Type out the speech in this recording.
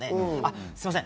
すみません。